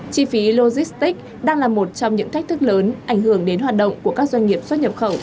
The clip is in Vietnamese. chi phí logistics đang là một trong những thách thức lớn ảnh hưởng đến hoạt động của các doanh nghiệp xuất nhập khẩu